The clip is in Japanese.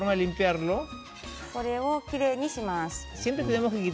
これを、きれいにします。